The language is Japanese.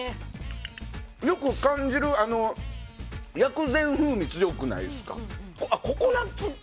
よく感じる薬膳風味が強くないですか？